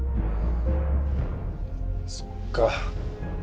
そっか。